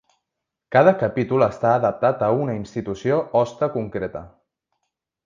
Cada capítol està adaptat a una institució hoste concreta.